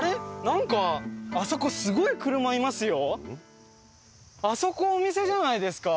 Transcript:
なんかあそこすごい車いますよ！